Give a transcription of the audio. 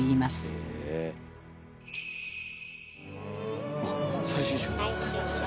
あっ最終章が。